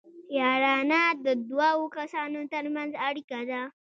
یارانه د دوو کسانو ترمنځ اړیکه ده